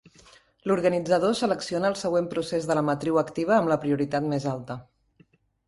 L'organitzador selecciona el següent procés de la matriu activa amb la prioritat més alta.